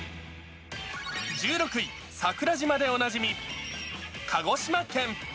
１６位、桜島でおなじみ、鹿児島県。